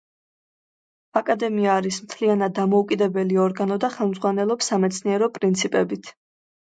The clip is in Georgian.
აკადემია არის მთლიანად დამოუკიდებელი ორგანო და ხელმძღვანელობს სამეცნიერო პრინციპებით.